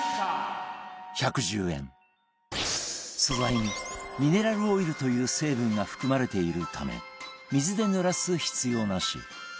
素材にミネラルオイルという成分が含まれているため水でぬらす必要なし